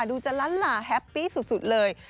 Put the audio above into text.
ดูจะล้านหลาแฮปปี้สุดเลย